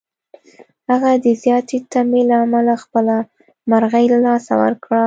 هغه د زیاتې تمې له امله خپله مرغۍ له لاسه ورکړه.